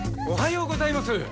おはようございます。